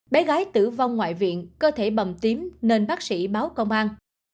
bé gái tử vong ngoại viện cơ thể bầm tím nên bác sĩ báo công an